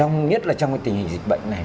nhất là trong cái tình hình dịch bệnh này